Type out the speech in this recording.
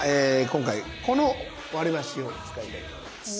今回この割りばしを使いたいと思います。